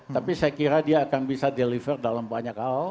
tapi saya kira dia akan bisa deliver dalam banyak hal